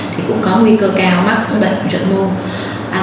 thì cũng có nguy cơ cao mắc bệnh rận mưu